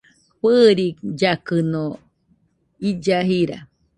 Fɨɨrillakɨno illa jira